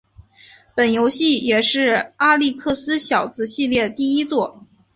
本游戏也是阿历克斯小子系列第一作。